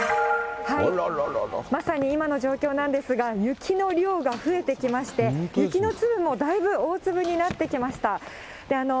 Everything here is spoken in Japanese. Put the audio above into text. まさに今の状況なんですが、雪の量が増えてきまして、雪の粒もだいぶ大粒になってきました。